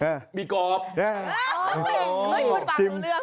เมื่อคุณมารู้เรื่อง